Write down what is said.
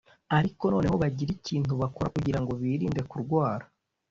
ariko nanone bagire ikintu bakora kugira ngo birinde kurwara